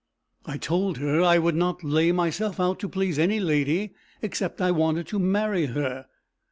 I told her I would not lay myself out to please any lady, except I wanted to marry her.